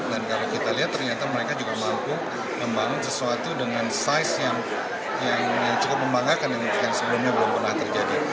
dan kalau kita lihat ternyata mereka juga mampu membangun sesuatu dengan size yang cukup membanggakan yang sebelumnya belum pernah terjadi